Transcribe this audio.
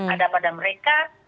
ada pada mereka